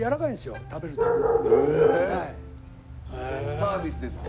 サービスですか？